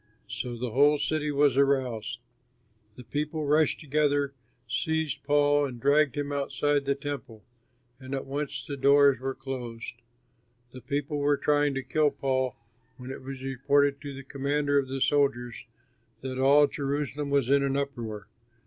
So the whole city was aroused. The people rushed together, seized Paul, and dragged him outside the Temple; and at once the doors were closed. The people were trying to kill Paul when it was reported to the commander of the soldiers that all Jerusalem was in an uproar.